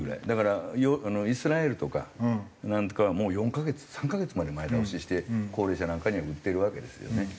だからイスラエルとかなんかは４カ月３カ月まで前倒しして高齢者なんかには打っているわけですよね。